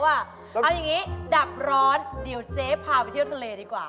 เอาอย่างนี้ดับร้อนเดี๋ยวเจ๊พาไปเที่ยวทะเลดีกว่า